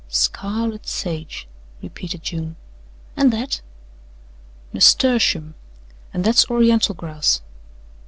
"Scarlet sage," repeated June. "An' that?" "Nasturtium, and that's Oriental grass."